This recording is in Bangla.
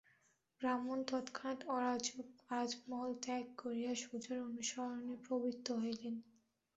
ব্রাহ্মণ তৎক্ষণাৎ অরাজক রাজমহল ত্যাগ করিয়া সুজার অনুসরণে প্রবৃত্ত হইলেন।